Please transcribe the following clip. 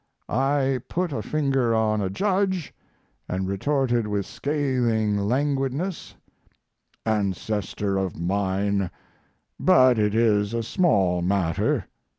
I put a finger on a judge and retorted with scathing languidness: "Ancestor of mine. But it is a small matter.